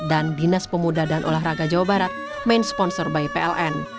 dan dinas pemuda dan olahraga jawa barat main sponsor by pln